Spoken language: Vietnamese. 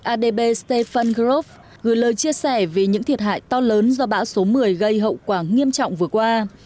adp stefan grof gửi lời chia sẻ vì những thiệt hại to lớn do bão số một mươi gây hậu quả nghiêm trọng vừa qua